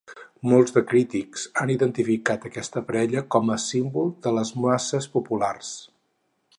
Molts de crítics han identificat aquesta parella com a símbol de les masses populars.